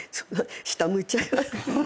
下向いちゃいます。